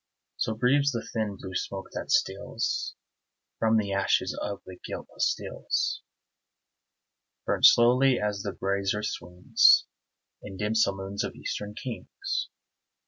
(So breathes the thin blue smoke, that steals From ashes of the gilt pastilles, Burnt slowly, as the brazier swings, In dim saloons of eastern kings.)